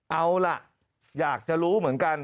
เอาล่ะอยากจะรู้เหมือนกัน